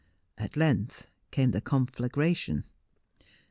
At length came the conflagration.